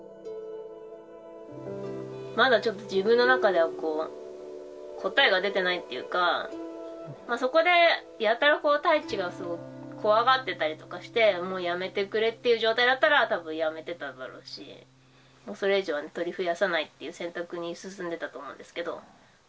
まだちょっと自分の中では、こう、答えが出てないっていうか、そこでやたらこう、タイチが怖がってたりとかして、もうやめてくれっていう状態だったら、たぶんやめてたんだろうし、それ以上は鳥増やさないっていう選択に進んでたと思うんですけど。